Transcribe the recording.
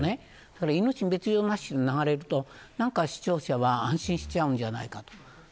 命に別条なしと流れると視聴者は安心しちゃうんじゃないかと。